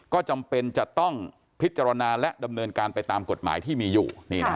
ก็จำเป็นจะต้องพิจารณาและดำเนินการไปตามกฎหมายที่มีอยู่